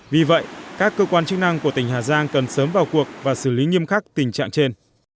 vì vậy các cơ quan chức năng của tỉnh hà giang cần sớm vào cuộc và xử lý nghiêm khắc tình trạng trên